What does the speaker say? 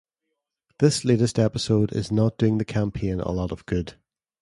This latest episode is not doing the campaign a lot of good.